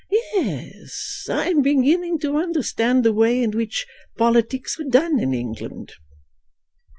Yes, I am beginning to understand the way in which politics are done in England."